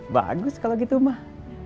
bagus kalau gitu mah